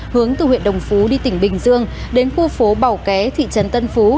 hướng từ huyện đồng phú đi tỉnh bình dương đến khu phố bảo ké thị trấn tân phú